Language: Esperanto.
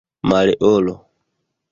Maleolo